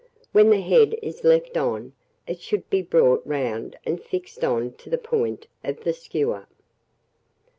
When the head is left on, it should be brought round and fixed on to the point of the skewer.